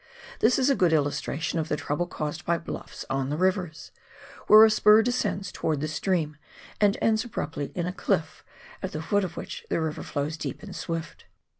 This is a good illustration of the trouble caused by bluffs on the rivers, where a spur descends towards the stream, and ends abruptly in a cHff, at the foot of which the river flows deep and swift.